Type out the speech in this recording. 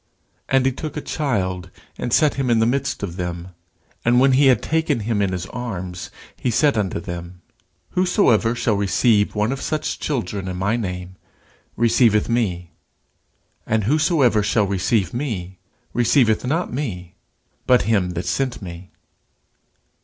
And he took a child, and set him in the midst of them: and when he had taken him in his arms, he said unto them, Whosoever shall receive one of such children in my name, receiveth me; and whosoever shall receive me, receiveth not me, but him that sent me.